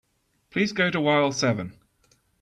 Please go to aisle seven.